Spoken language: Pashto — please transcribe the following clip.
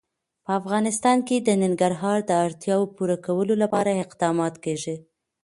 په افغانستان کې د ننګرهار د اړتیاوو پوره کولو لپاره اقدامات کېږي.